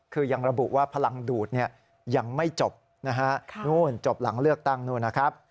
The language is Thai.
คือยังระบุว่าพลังดูดเนี่ยยังไม่จบนะฮะนู่นจบหลังเลือกตั้งนู่นนะครับ